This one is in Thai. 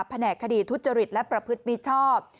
แหนกคดีทุจริตและประพฤติมิชชอบ